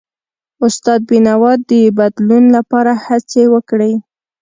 استاد بینوا د بدلون لپاره هڅې وکړي.